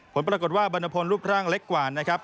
ผลปรากฏว่าบรรณพลรูปร่างเล็กกว่านะครับ